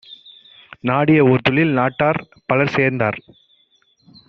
நாடிய ஓர்தொழில் நாட்டார் பலர்சேர்ந்தால்